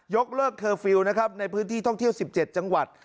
กเลิกเคอร์ฟิลล์นะครับในพื้นที่ท่องเที่ยว๑๗จังหวัด